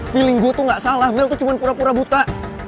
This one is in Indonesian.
feeling gue tuh gak salah mell tuh cuma pura pura buta